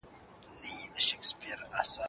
یو کار سم زده کړئ.